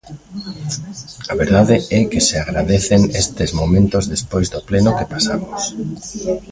A verdade é que se agradecen estes momentos despois do pleno que pasamos.